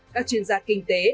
các chuyên gia kinh tế